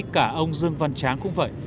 cả ông dương văn tráng cũng vậy